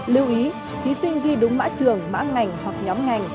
lưu ý thí sinh ghi đúng mã trường mã ngành hoặc nhóm ngành